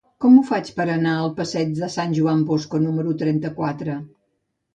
Com ho faig per anar al passeig de Sant Joan Bosco número trenta-quatre?